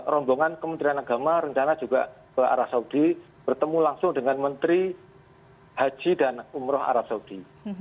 rombongan kementerian agama rencana juga ke arah saudi bertemu langsung dengan menteri haji dan umroh arab saudi